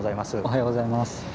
おはようございます。